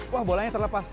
wah bolanya terlepas